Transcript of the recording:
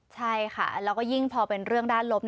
ใช่ค่ะแล้วก็ยิ่งพอเป็นเรื่องด้านลบ